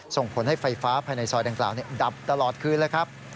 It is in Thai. ส่งผลให้ไฟฟ้าภายในซอยดังกล่าวดับตลอดคืนแล้วครับ